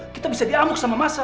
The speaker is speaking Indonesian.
kita bisa diamuk sama massa